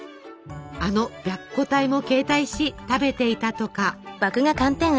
あの「白虎隊」も携帯し食べていたとか。